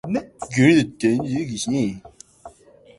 ごねたって何も出て来やしないよ